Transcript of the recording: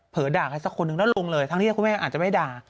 ด่าใครสักคนนึงแล้วลงเลยทั้งที่คุณแม่อาจจะไม่ด่า